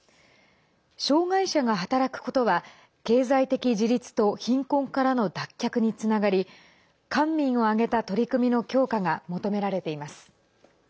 障害者が働くことは経済的自立と貧困からの脱却につながり官民を挙げた、取り組みの強化が求められています。